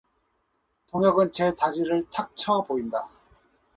동혁은 제 다리를 탁 쳐보인다.